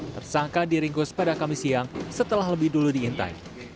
tersangka diringkus pada kamis siang setelah lebih dulu diintai